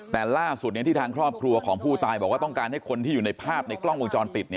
แต่ล่าสุดที่ทางครอบครัวของผู้ตายบอกว่าต้องการให้คนที่อยู่ในภาพในกล้องวงจรปิด